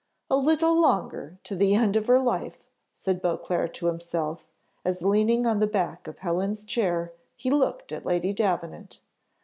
"A little longer, to the end of her life!" said Beauclerc to himself, as leaning on the back of Helen's chair he looked at Lady Davenant.